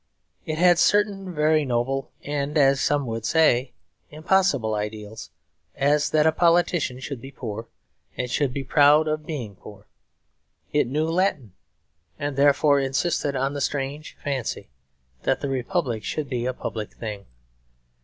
It had certain very noble and, as some would say, impossible ideals; as that a politician should be poor, and should be proud of being poor. It knew Latin; and therefore insisted on the strange fancy that the Republic should be a public thing.